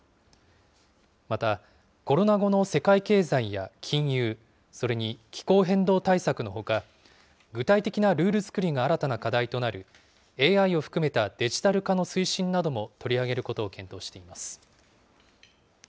また、コロナ後の世界経済や金融、それに気候変動対策のほか、具体的なルール作りが新たな課題となる、ＡＩを含めたデジタル化の推進なども取り上げることを検討しています。